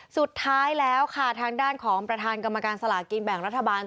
สุดท้ายแล้วค่ะทางด้านของประธานกรรมการสลากินแบ่งรัฐบาล